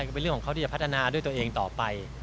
ก็เป็นเรื่องของเขาที่จะพัฒนาด้วยตัวเองต่อไป